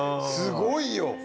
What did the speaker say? すごいよ。